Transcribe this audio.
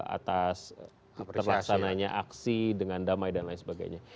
atas terlaksananya aksi dengan damai dan lain sebagainya